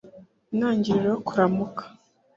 Intangiriro yo kuramukwa